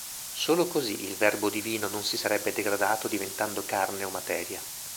Solo così il Verbo divino non si sarebbe degradato diventando carne o materia.